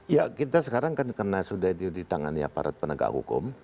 ya kita sekarang kan sudah di tangan aparat penegak hukum